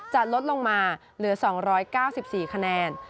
จะลดลงมาเหลือ๒๙๔คะแนน